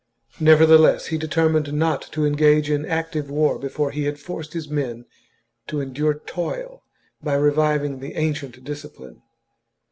Nevertheless, he determined not to engage in active war before he had forced his men to endure toil by reviving the ancient discipline.